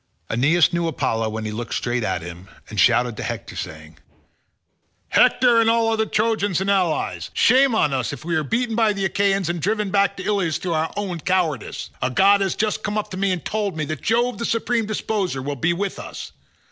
Aeneas knew Apollo when he looked straight at him, and shouted to Hector saying, "Hector and all other Trojans and allies, shame on us if we are beaten by the Achaeans and driven back to Ilius through our own cowardice. A god has just come up to me and told me that Jove the supreme disposer will be with us.